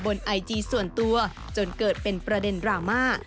ไอจีส่วนตัวจนเกิดเป็นประเด็นดราม่า